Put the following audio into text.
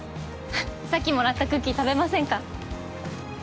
さっきもらったクッキー食べませんか？